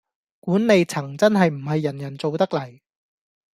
管理層真係唔係人人做得嚟